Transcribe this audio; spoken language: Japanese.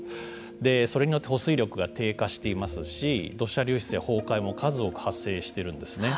それによって保水力が低下していますし土砂流出や崩壊も数多く発生しているんですね。